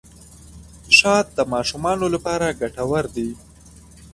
شات د ماشومانو لپاره ګټور دي.